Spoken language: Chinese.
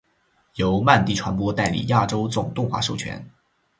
由曼迪传播代理亚洲总动画授权。